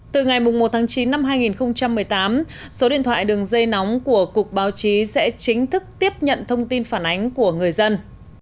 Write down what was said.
từ ngày một tháng chín năm hai nghìn một mươi tám số điện thoại đường dây nóng của cục báo chí sẽ chính thức tiếp nhận thông tin phản ánh của người dân